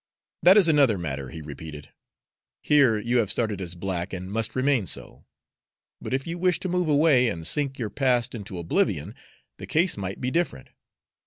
"That is another matter," he repeated. "Here you have started as black, and must remain so. But if you wish to move away, and sink your past into oblivion, the case might be different.